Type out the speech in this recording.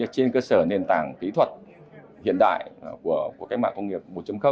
trên cơ sở nền tảng kỹ thuật hiện đại của các mạng công nghiệp một